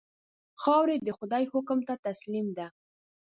خاوره د خدای حکم ته تسلیم ده.